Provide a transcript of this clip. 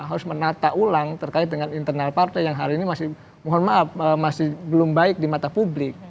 harus menata ulang terkait dengan internal partai yang hari ini masih mohon maaf masih belum baik di mata publik